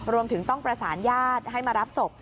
รวมถึงต้องประสานญาติให้มารับศพ